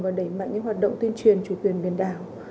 và đẩy mạnh hoạt động tuyên truyền chủ quyền biển đảo